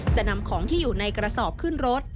จะนำของที่อยู่ในกระสอบขึ้นรถ